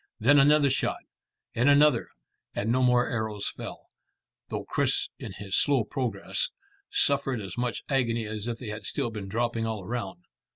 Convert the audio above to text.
Then another shot, and another, and no more arrows fell, though Chris in his slow progress suffered as much agony as if they had still been dropping all around.